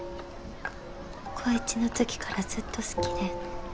高１のときからずっと好きで。